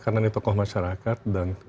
karena tokoh masyarakat dan